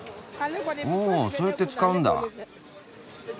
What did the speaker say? おそうやって使うんだあ。